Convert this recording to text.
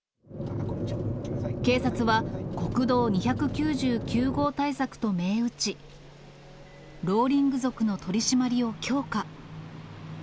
警察は国道２９９号対策と銘打ち、ローリング族の取締りを強化。